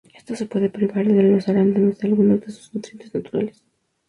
Esto puede privar a los arándanos de algunos de sus nutrientes naturales.